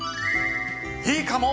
いいかも！